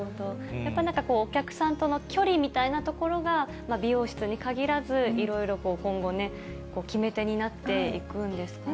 やっぱりなかなかお客さんとの距離みたいなところが美容室に限らず、いろいろこう、今後ね、決め手になっていくんですかね。